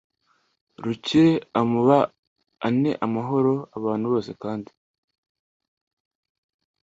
Rukire a mub ane amahoro n abantu bose kandi